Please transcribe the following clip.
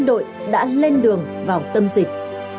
các đội đã lên đường vào tâm dịch